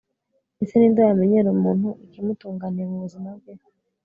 mbese ni nde wamenyera muntu ikimutunganiye mu buzima bwe